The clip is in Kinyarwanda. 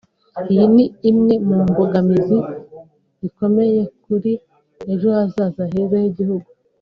Iyi ni imwe mu mbogamizi zikomeye kuri ejo hazaza heza h’igihugu